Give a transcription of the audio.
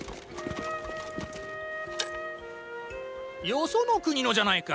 よその国のじゃないか。